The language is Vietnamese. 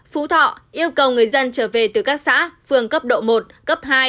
phú thọ yêu cầu người dân trở về từ các xã phường cấp độ một cấp hai